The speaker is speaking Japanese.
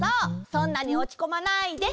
そんなにおちこまないで！